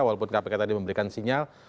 walaupun kpk tadi memberikan sinyal